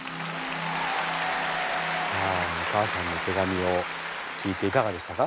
さあお母さんの手紙を聞いていかがでしたか？